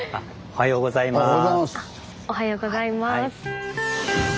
おはようございます。